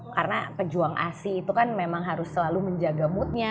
karena pejuang asik itu kan memang harus selalu menjaga moodnya